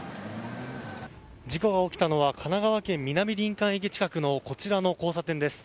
事故が起きたのは神奈川県南林間駅近くのこちらの交差点です。